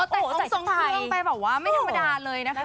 แต่จะส่งเครื่องไปแบบว่าไม่ธรรมดาเลยนะคะ